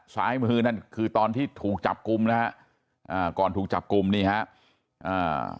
ซ้ายมือนั่นคือตอนที่ถูกจับกลุ่มนะฮะอ่าก่อนถูกจับกลุ่มนี่ฮะอ่า